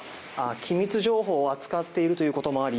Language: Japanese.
機密情報を扱っているということもあり